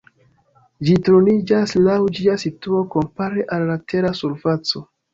Ĝi turniĝas laŭ ĝia situo kompare al la Tera surfaco.